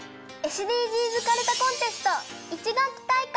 ＳＤＧｓかるたコンテスト１学期大会。